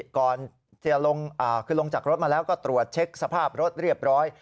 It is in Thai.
ก่อนจะลงคือลงจากรถมาแล้วก็ตรวจเช็คสภาพรถเรียบร้อย